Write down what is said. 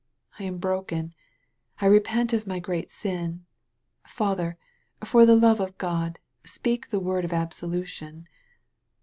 I am broken. I repent of my great sin. Father, for the love of God, speak the word of absolution."